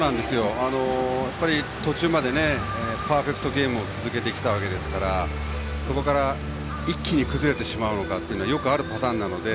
途中までパーフェクトゲームを続けてきたわけですからそこから一気に崩れてしまうというのはよくあるパターンなので。